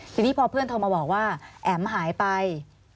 ทีนี้พอเพื่อนโทรมาบอกว่าแอ๋มหายไป